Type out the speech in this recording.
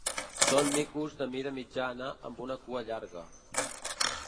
Són micos de mida mitjana amb una cua llarga.